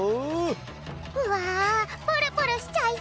うわプルプルしちゃいそう。